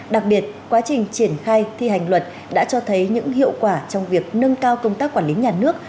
đặc biệt quá trình triển khai thi hành luật đã cho thấy những hiệu quả trong việc nâng cao công tác quản lý nhà nước